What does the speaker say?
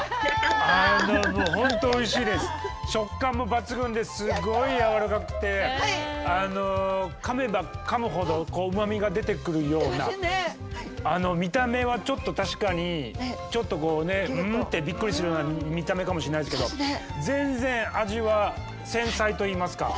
食感も抜群ですごい軟らかくてかめばかむほどうまみが出てくるような見た目はちょっと確かにちょっとこうねうん？ってびっくりするような見た目かもしれないですけど全然味は繊細といいますか。